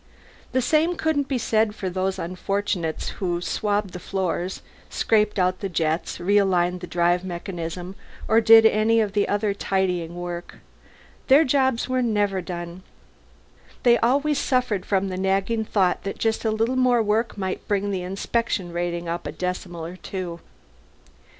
The same couldn't be said for the unfortunates who swabbed the floors, scraped out the jets, realigned the drive mechanism, or did any other tidying work. Their jobs were never done; they always suffered from the nagging thought that just a little more work might bring the inspection rating up a decimal or two.